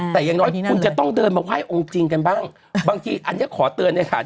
แต่อย่างน้อยคุณจะต้องเดินมาไหว้องค์จริงกันบ้างบางทีอันนี้ขอเตือนในหาด